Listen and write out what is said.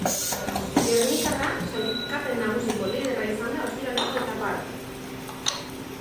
Gernikarra sailkapen nagusiko liderra izan da ostiraleko etapa arte.